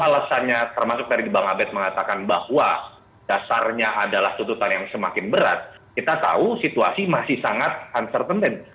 alasannya termasuk tadi bang abed mengatakan bahwa dasarnya adalah tuntutan yang semakin berat kita tahu situasi masih sangat uncertaintain